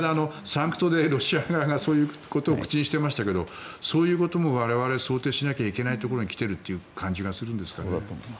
サンクトでロシア側がそういうことを口にしていましたがそういうことも我々は想定しないといけないところに来ているという感じがしますね。